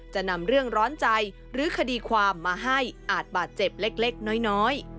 จะนำเรื่องร้อนใจหรือคดีความมาให้อาจบาดเจ็บเล็กน้อย